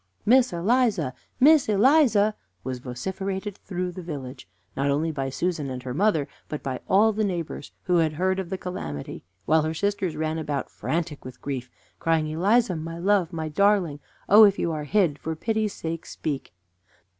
"Miss Eliza! Miss Eliza!" was vociferated through the village, not only by Susan and her mother, but by all the neighbors who had heard of the calamity, while her sisters ran about frantic with grief, crying, "Eliza, my love! my darling! Oh, if you are hid, for pity's sake speak!"